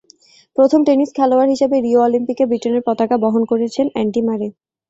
প্রথম টেনিস খেলোয়াড় হিসেবে রিও অলিম্পিকে ব্রিটেনের পতাকা বহন করেছেন অ্যান্ডি মারে।